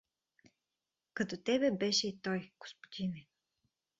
Като тебе беше и той, господине!